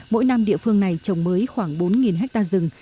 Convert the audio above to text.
mỗi năm địa phương này trồng mới khoảng bốn hectare rừng